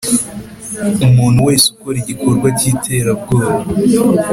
Umuntu wese ukora igikorwa cy iterabwoba